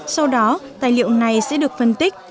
sau đó tài liệu này sẽ được phân tích